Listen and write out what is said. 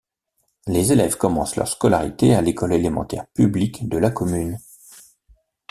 Les élèves commencent leur scolarité à l'école élémentaire publique de la commune.